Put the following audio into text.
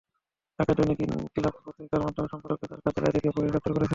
ঢাকায় দৈনিক ইনকিলাব পত্রিকার বার্তা সম্পাদককে তাঁর কার্যালয় থেকে পুলিশ গ্রেপ্তার করেছে।